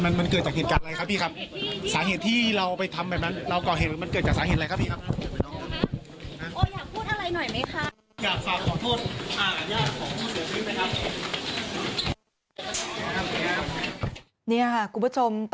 นี่ค่ะคุณผู้ชม